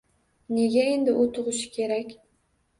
Nega endi u tug`ishi kerak